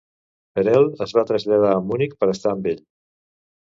Perel es va traslladar a Munic per estar amb ell.